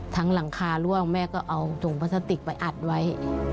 หลังคาร่วงแม่ก็เอาถุงพลาสติกไปอัดไว้